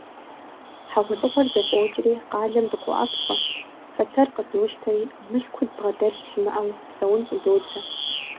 ХьэгъуэлӀыгъуэр зэфӀокӀри къалэм дыкъоӀэпхъуэ, фэтэр къыдощтэри мылъкуу дбгъэдэлъ щымыӀэу псэун щӀыдодзэ.